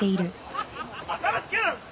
頭つけろよ！